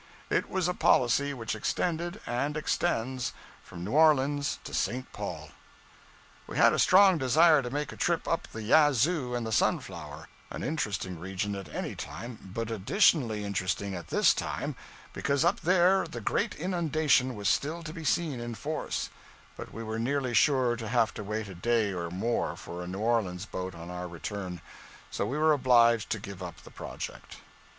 It was a policy which extended and extends from New Orleans to St. Paul. We had a strong desire to make a trip up the Yazoo and the Sunflower an interesting region at any time, but additionally interesting at this time, because up there the great inundation was still to be seen in force but we were nearly sure to have to wait a day or more for a New Orleans boat on our return; so we were obliged to give up the project.